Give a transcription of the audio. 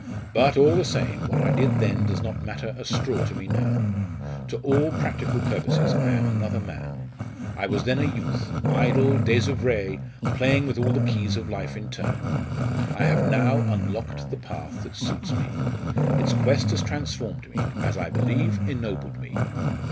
But, all the same, what I did then does not matter a straw to me now. To all practical purposes I am another man. I was then a youth, idle, désoeuvré, playing with all the keys of life in turn. I have now unlocked the path that suits me. Its quest has transformed me as I believe, ennobled me.